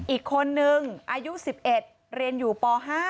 อีกคนนึงอายุ๑๑เรียนอยู่ป๕